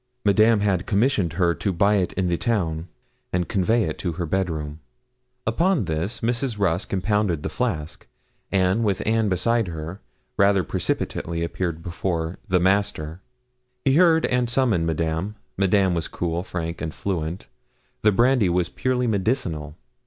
Madame had commissioned her to buy it in the town, and convey it to her bed room. Upon this, Mrs. Rusk impounded the flask; and, with Anne beside her, rather precipitately appeared before 'the Master.' He heard and summoned Madame. Madame was cool, frank, and fluent. The brandy was purely medicinal.